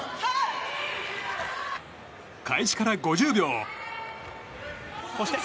開始から５０秒。